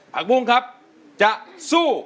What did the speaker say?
ผักบุ้งครับจะสู้